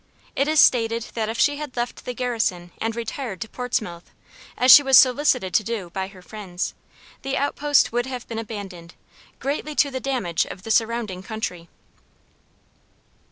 It is stated that if she had left the garrison and retired to Portsmouth, as she was solicited to do by her friends, the out post would have been abandoned, greatly to the damage of the surrounding country.